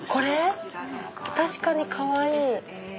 確かにかわいい。